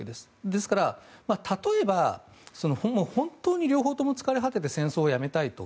ですから、例えば本当に両方とも疲れ果てて戦争をやめたいと。